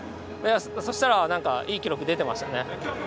そしたら、いい記録出てましたね。